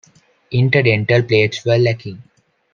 Interdental plates were lacking.